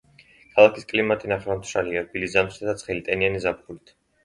ქალაქის კლიმატი ნახევრადმშრალია, რბილი ზამთრითა და ცხელი, ტენიანი ზაფხულით.